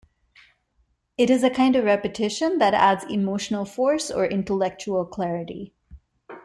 It is a kind of repetition that adds emotional force or intellectual clarity.